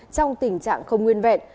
trong tình trạng không nguyên vẹn